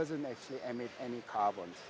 yang tidak mengandung karbon